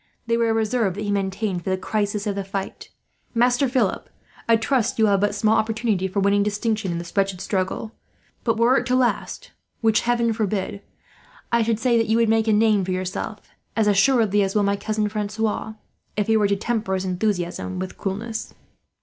They were a reserve that he maintained for the crisis of the fight. "Master Philip, I trust that you will have but small opportunity for winning distinction in this wretched struggle; but were it to last, which heaven forbid, I should say that you would make a name for yourself; as assuredly will my cousin Francois, if he were to temper his enthusiasm with coolness."